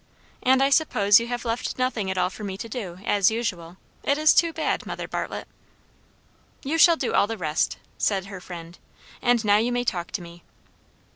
"And I suppose you have left nothing at all for me to do, as usual. It is too bad, Mother Bartlett." "You shall do all the rest," said her friend; "and now you may talk to me."